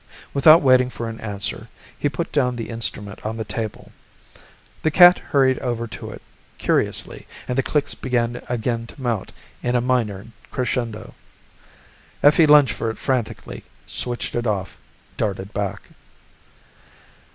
Without waiting for an answer, he put down the instrument on the table. The cat hurried over to it curiously and the clicks began again to mount in a minor crescendo. Effie lunged for it frantically, switched it off, darted back.